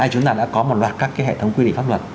chúng ta đã có một loạt các hệ thống quy định pháp luật